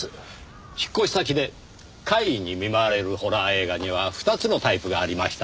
引っ越し先で怪異に見舞われるホラー映画には２つのタイプがありました。